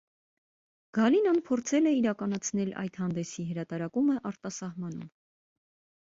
Գալինան, փորձել է իրականացնել այդ հանդեսի հրատարակումը արտասահմանում։